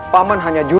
pak jajaran hanya jual